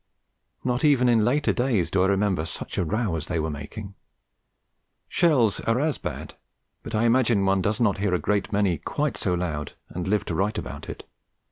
Not even in later days do I remember such a row as they were making. Shells are as bad, but I imagine one does not hear a great many quite so loud and live to write about it.